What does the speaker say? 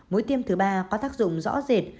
mũi tiêm thứ ba có tác dụng rõ rệt